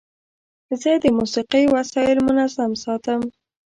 زه د موسیقۍ وسایل منظم ساتم.